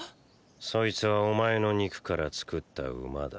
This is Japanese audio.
⁉そいつはお前の肉から作った馬だ。